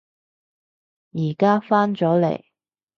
而家返咗嚟